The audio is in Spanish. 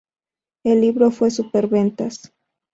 El libro fue superventas.